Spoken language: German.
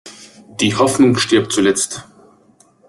Die Hoffnung stirbt zuletzt.